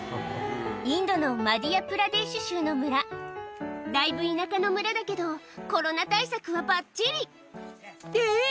インドのマディヤ・プラデーシュ州の村だいぶ田舎の村だけどコロナ対策はばっちりえぇ！